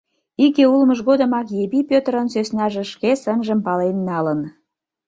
Иге улмыж годымак Епи Пӧтырын сӧснаже шке сынжым пален налын.